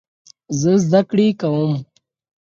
زه زده کړې کوم.